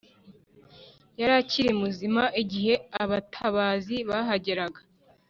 yari akiri muzima igihe abatabazi bahageraga